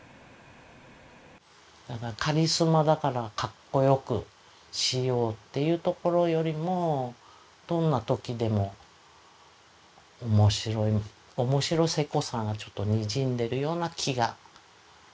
カリスマだからかっこよくしようっていうところよりもどんな時でも面白い「おもしろセコさ」がちょっとにじんでるような気がします。